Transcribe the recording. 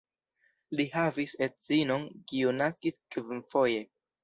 Li havis edzinon, kiu naskis kvinfoje.